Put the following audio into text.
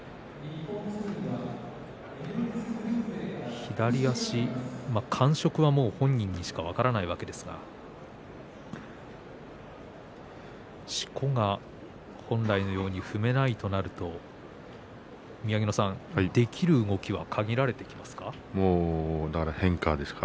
左足、感触は本人にしか分からないわけですがしこが本来のように踏めないとなると宮城野さん、できる動きは限られてきますか？